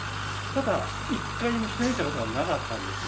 ただ１回も開いたことがなかったんです。